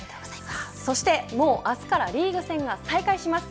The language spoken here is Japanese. そして、もう明日からリーグ戦が再開します。